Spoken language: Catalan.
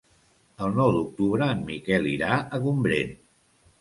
El nou d'octubre en Miquel irà a Gombrèn.